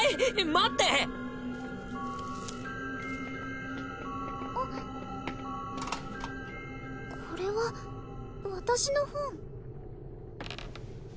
待ってあっこれは私の本？